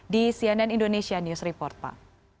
di cnn indonesia news report pak